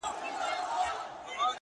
گرانه شاعره له مودو راهسي،